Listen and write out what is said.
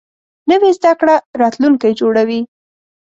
نوې زده کړه راتلونکی جوړوي